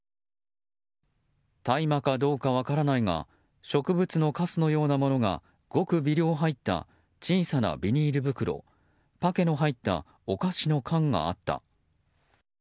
大麻かどうか分からないが植物のカスのようなものが極微量入った小さなビニール袋パケの入ったお菓子の缶があった。